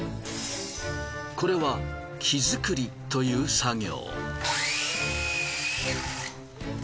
これは木づくりという作業。